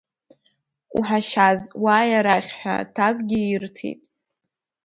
Уҳашьаз, уааи арахь, ҳәа аҭакгьы ирҭеит.